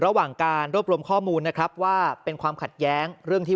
ระหว่างการรวบรวมข้อมูลนะครับว่าเป็นความขัดแย้งเรื่องที่